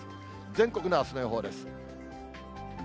全国のあすの予報です。